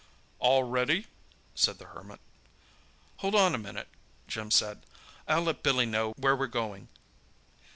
"All ready?" said the Hermit. "Hold on a minute," Jim said. "I'll let Billy know where we're going."